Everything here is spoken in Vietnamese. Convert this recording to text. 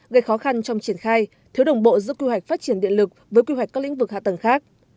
gây khó khăn trong triển khai thiếu đồng bộ giữa quy hoạch phát triển điện lực với quy hoạch các lĩnh vực hạ tầng khác